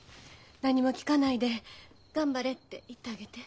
何も聞かないで「頑張れ」って言ってあげて。